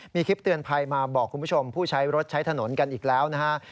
มีคลิปเตือนภัยมาบอกคุณผู้ชมผู้ใช้รถใช้ถนนกันอีกแล้วนะฮะ